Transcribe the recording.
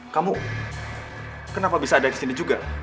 kamu kenapa bisa ada disini juga